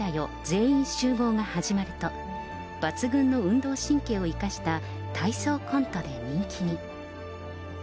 全員集合が始まると、抜群の運動神経を生かした体操コントで人気に。